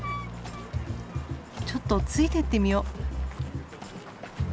ちょっとついてってみよう。